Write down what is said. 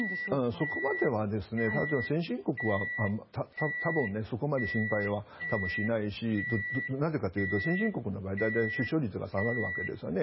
そこまでは、例えば先進国は多分、そこまで心配はしないしなぜかというと先進国の間で出生率が下がるわけですよね。